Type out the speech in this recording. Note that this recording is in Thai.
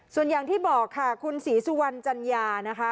ส่วนอย่างที่บอกค่ะคุณศรีสุวรรณจัญญานะคะ